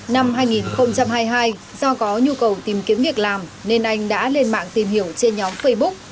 năm hai nghìn hai mươi hai do có nhu cầu tìm kiếm việc làm nên anh đã lên mạng tìm hiểu trên nhóm facebook